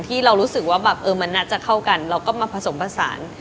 ที่เรารู้สึกว่าแบบเออมันน่าจะเข้ากันเราก็มาผสมผสาน